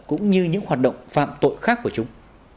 cũng như những hoạt động phạm tội khác của chúng